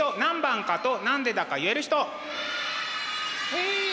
へえ！